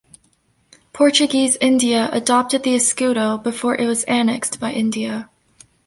Portuguese India adopted the escudo before it was annexed by India.